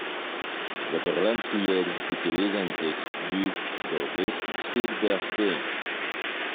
Vaterlandslied utilise un texte du d'August Silberstein.